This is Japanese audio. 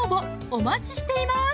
お待ちしています